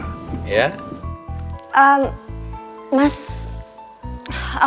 karena mas gak ingin kamu cemas mikirin reva